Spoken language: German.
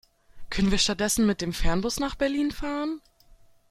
Können wir stattdessen mit dem Fernbus nach Berlin fahren?